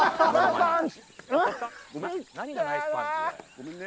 ごめんね。